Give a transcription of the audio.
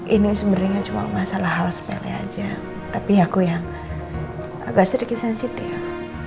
ini sebenarnya cuma masalah hal sepele aja tapi aku yang agak sedikit sensitif